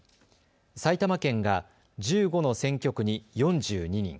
埼玉県が１５の選挙区に４２人。